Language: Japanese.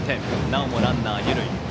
なおもランナー、二塁。